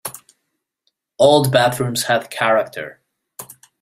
Old bathrooms had character.